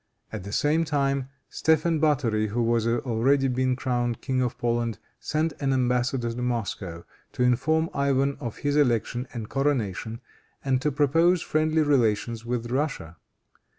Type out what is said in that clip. At the same time, Stephen Bathori, who had already been crowned King of Poland, sent an embassador to Moscow to inform Ivan of his election and coronation, and to propose friendly relations with Russia.